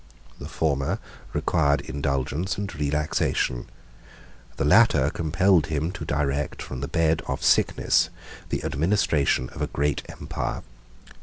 The former required indulgence and relaxation, the latter compelled him to direct, from the bed of sickness, the administration of a great empire.